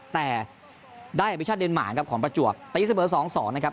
แต่ได้อภิชาเดนมานกับขอนประจวกตะยีเสมอสองสองนะครับ